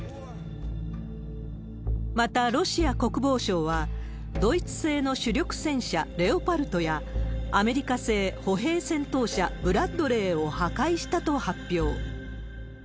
また、ロシア国防省は、ドイツ製の主力戦車、レオパルトや、アメリカ製歩兵戦闘車、ブラッドレーを破壊したと発表。